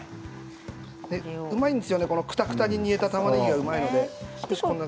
うまいんですよね、クタクタに煮えたたまねぎがうまいので。